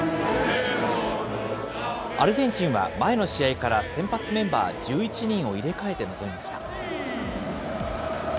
アルゼンチンは前の試合から先発メンバー１１人を入れ替えて臨みました。